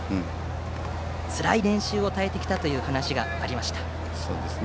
つらい練習を耐えてきたという話がありました。